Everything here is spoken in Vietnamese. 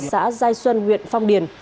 xã giai xuân huyện phong điền